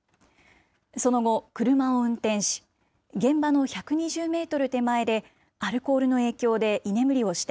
その後、車を運転し、現場の１２０メートル手前で、アルコールの影響で居眠りをして、